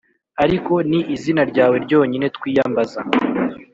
ariko ni izina ryawe ryonyine twiyambaza.